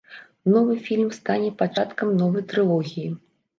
Новы фільм стане пачаткам новай трылогіі.